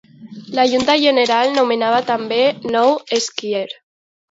La Junta General nomenava també nou sequier.